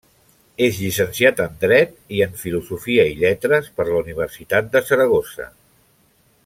És llicenciat en Dret i en Filosofia i Lletres per la Universitat de Saragossa.